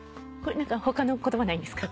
何か他の言葉ないんですか？